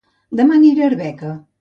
Dema aniré a Arbeca